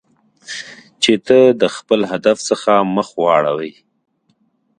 چې ته د خپل هدف څخه مخ واړوی.